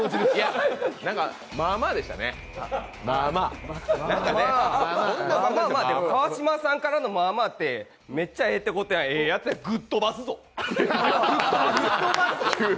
まあまあでしたね、まあまあまあまあ川島さんからのまあまあってめっちゃええってことはええやつやん、グッとばすぞ。